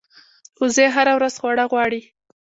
وزې هره ورځ خواړه غواړي